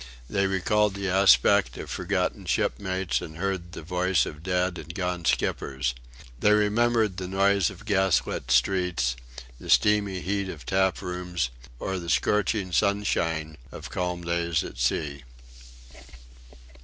They recalled the aspect of forgotten shipmates and heard the voice of dead and gone skippers. They remembered the noise of gaslit streets, the steamy heat of tap rooms or the scorching sunshine of calm days at sea.